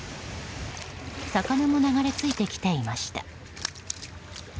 魚も流れ着いてきていました。